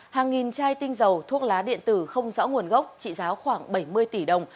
hàng nghìn chai tinh dầu thuốc lá điện tử không rõ nguồn gốc trị giá khoảng bảy mươi tỷ đồng